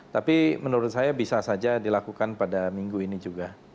tapi menurut saya bisa saja dilakukan pada minggu ini juga